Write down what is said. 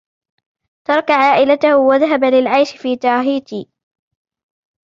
ترك عائلته و ذهب للعيش في تاهيتي.